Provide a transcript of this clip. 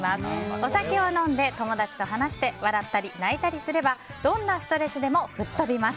お酒を飲んで友達と話して笑ったり泣いたりすればどんなストレスでも吹っ飛びます。